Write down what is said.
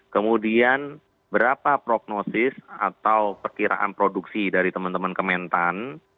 kemudian berapa prognosis atau perkiraan produksi dari teman teman kementan